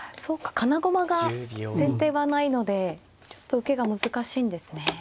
金駒が先手はないのでちょっと受けが難しいんですね。